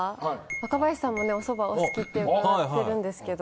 若林さんもねおそばお好きって伺ってるんですけど。